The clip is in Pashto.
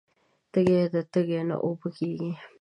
تږې ده تږې نه اوبه کیږي